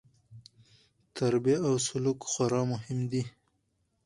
تربیه او سلوک خورا مهم دي.